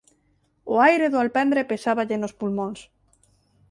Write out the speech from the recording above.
O aire do alpendre pesáballe nos pulmóns.